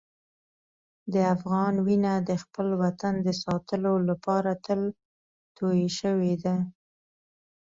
د افغان وینه د خپل وطن د ساتلو لپاره تل تویې شوې ده.